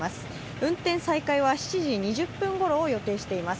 運転再開は７時２０分ごろを予定しています。